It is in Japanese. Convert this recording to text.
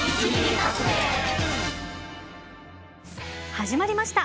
始まりました。